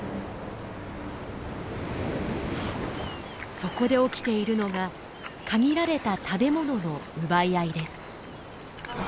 そこで起きているのが限られた食べものの奪い合いです。